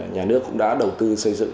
nhà nước cũng đã đầu tư xây dựng